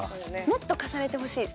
もっと重ねてほしいです。